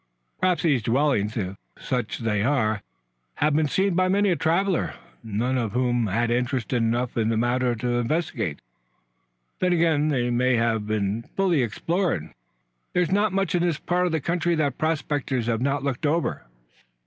"Perhaps these dwellings, if such they are, have been seen by many a traveler, none of whom had interest enough in the matter to investigate. Then again, they may have been fully explored. There's not much in this part of the country that prospectors have not looked over."